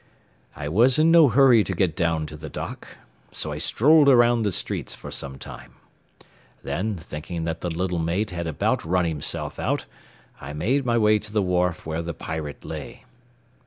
I was in no hurry to get down to the dock, so I strolled around the streets for some time. Then, thinking that the little mate had about run himself out, I made my way to the wharf where the Pirate lay.